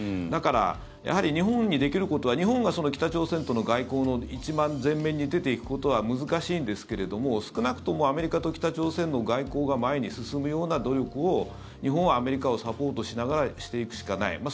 だからやはり日本にできることは日本が北朝鮮との外交の一番前面に出ていくことは難しいんですけれども少なくともアメリカと北朝鮮の外交が前に進むような努力を、日本はアメリカをサポートしながらしていくしかない。